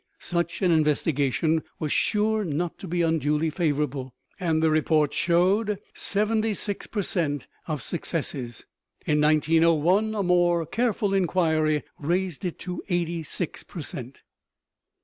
Such an investigation was sure not to be unduly favorable, and the report showed 76 per cent. of successes. In 1901 a more careful inquiry raised it to 86 per cent.